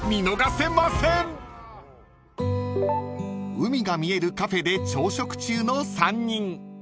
［海が見えるカフェで朝食中の３人］